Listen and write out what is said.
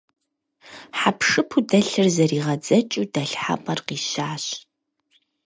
Хьэпшыпу дэлъыр зэригъэдзэкӀыу дэлъхьэпӏэр къищащ.